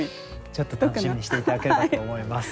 ちょっと楽しみにして頂ければと思います。